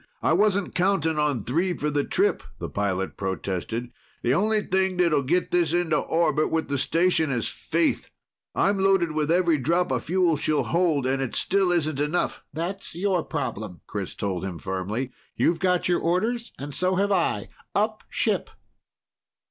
I wasn't counting on three for the trip," the pilot protested. "The only thing that will get this into orbit with the station is faith. I'm loaded with every drop of fuel she'll hold and it still isn't enough." "That's your problem," Chris told him firmly. "You've got your orders, and so have I. Up ship!"